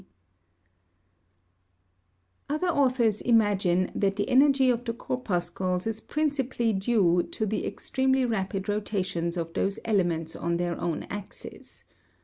] Other authors imagine that the energy of the corpuscles is principally due to the extremely rapid rotations of those elements on their own axes.